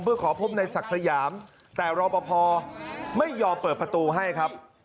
เพื่อขอพบในศักดิ์สยามแต่รอปภไม่ยอมเปิดประตูให้ครับ